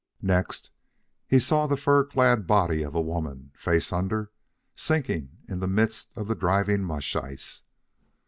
Next, he saw the fur clad body of a woman, face under, sinking in the midst of the driving mush ice.